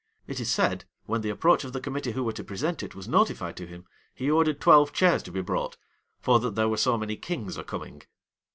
It is said, when the approach of the committee who were to present it was notified to him, he ordered twelve chairs to be brought; for that there were so many kings a coming.